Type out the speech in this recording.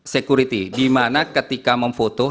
security dimana ketika memfoto